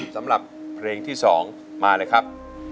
สำหรับเพลงที่๒มาเลยครับ